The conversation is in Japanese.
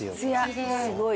すごい！